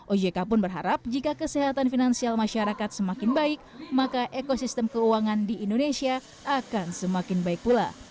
ojk pun berharap jika kesehatan finansial masyarakat semakin baik maka ekosistem keuangan di indonesia akan semakin baik pula